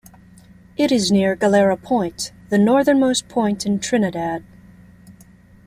It is near Galera Point, the northernmost point in Trinidad.